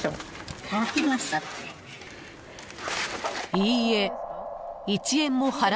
［いいえ］